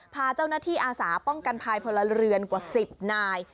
พาเจ้าหน้าที่อาสาป้องกันภายพลเรือนกว่า๑๐นาย